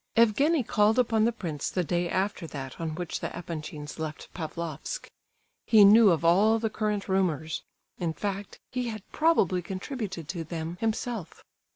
Evgenie called upon the prince the day after that on which the Epanchins left Pavlofsk. He knew of all the current rumours,—in fact, he had probably contributed to them himself.